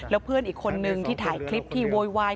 แล้วเพื่อนอีกคนนึงที่ถ่ายคลิปที่โวยวาย